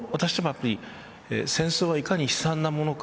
戦争が、いかに悲惨なものか。